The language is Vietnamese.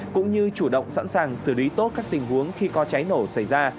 cũng như chủ động sẵn sàng xử lý tốt các tình huống khi có cháy nổ xảy ra